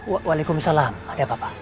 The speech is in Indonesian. waalaikumsalam ada apa apa